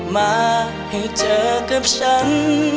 มาให้เจอกับฉัน